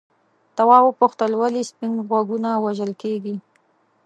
تواب وپوښتل ولې سپین غوږونه وژل کیږي.